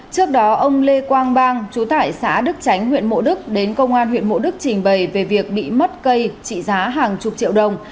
trước đó ông lê quang bang chú tải xã đức tránh huyện mộ đức đến công an huyện mộ đức trình bày về việc bị mất cây trị giá hàng chục triệu đồng